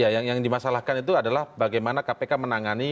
yang dimasalahkan itu adalah bagaimana kpk menangani